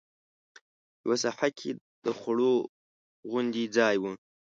یوه ساحه کې د خوړ غوندې ځای و.